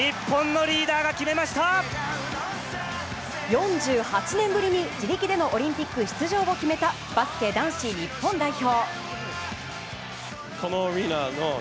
４８年ぶりに自力でのオリンピック出場を決めたバスケ男子日本代表。